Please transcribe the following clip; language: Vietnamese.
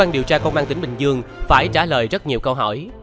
điều tra công an tỉnh bình dương phải trả lời rất nhiều câu hỏi